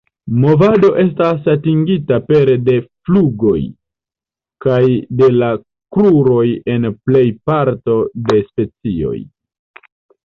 Movado estas atingita pere de flugoj kaj de la kruroj en plejparto de specioj.